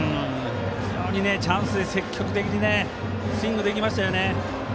非常にチャンスで積極的にスイングできましたね。